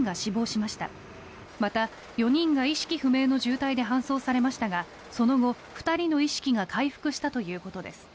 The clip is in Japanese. また、４人が意識不明の重体で搬送されましたがその後、２人の意識が回復したということです。